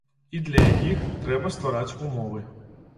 І для якіх трэба ствараць умовы.